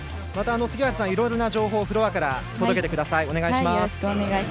杉原さん、いろいろな情報フロアから届けてください。